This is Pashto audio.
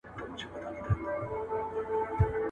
د دښمن په خوږو خبرو مه تېر وزه.